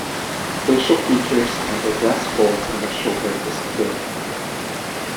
Facial features and the dress folds in the shoulder disappeared.